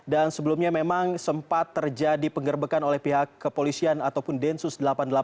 dan sebelumnya memang sempat terjadi pengerbekan oleh pihak kepolisian ataupun densus delapan puluh delapan